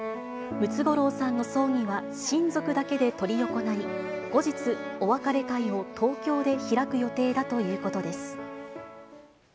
ムツゴロウさんの葬儀は親族だけで執り行い、後日、お別れ会を東京で開く予定だということです。